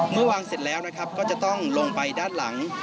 เมื่อวางเสร็จแล้วนะครับก็จะต้องลงไปด้านหลัง